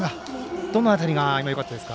どの辺りがよかったですか。